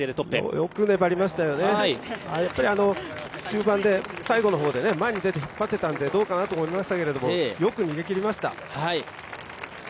よく粘りましたよね、あの終盤で、最後の方で前に出て引っ張っていたので、どうかと思いましたがよく逃げ切りました。